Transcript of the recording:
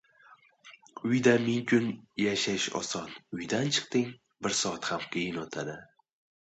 • Uyda ming kun yashash oson, uydan chiqding — bir soat ham qiyin o‘tadi.